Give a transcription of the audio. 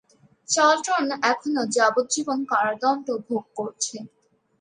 Charlton এখনও যাবজ্জীবন কারাদণ্ড ভোগ করছে।